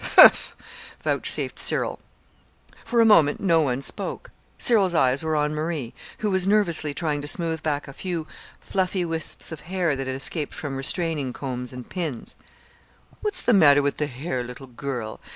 "Humph!" vouchsafed Cyril. For a moment no one spoke. Cyril's eyes were on Marie, who was nervously trying to smooth back a few fluffy wisps of hair that had escaped from restraining combs and pins. "What's the matter with the hair, little girl?"